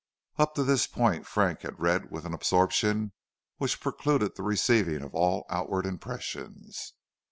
Up to this point Frank had read with an absorption which precluded the receiving of all outward impressions.